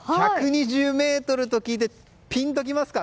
１２０ｍと聞いてピンときますか？